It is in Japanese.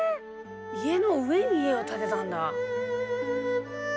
家の上に家を建てたんだ。